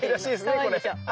かわいいでしょ。